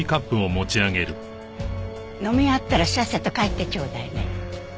飲み終わったらさっさと帰ってちょうだいね。